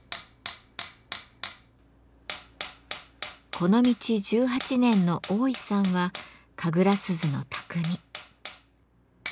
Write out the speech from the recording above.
この道１８年の大井さんは神楽鈴の匠。